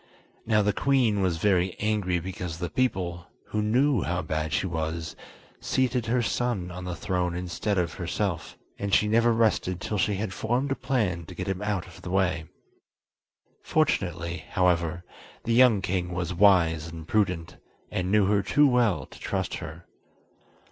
Now the queen was very angry because the people, who knew how bad she was, seated her son on the throne instead of herself, and she never rested till she had formed a plan to get him out of the way. Fortunately, however, the young king was wise and prudent, and knew her too well to trust her.